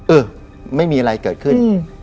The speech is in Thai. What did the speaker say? เออไม่มีอะไรเกิดขึ้น